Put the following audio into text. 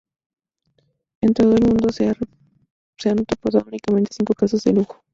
En todo el mundo, se han reportado únicamente cinco casos de Lujo.